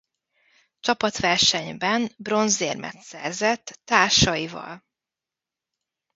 Csapatversenyben bronzérmet szerzett társaival.